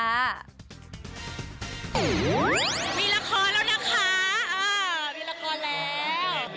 มีละครแล้วนะคะมีละครแล้ว